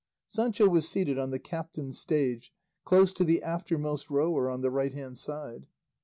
Sancho was seated on the captain's stage, close to the aftermost rower on the right hand side.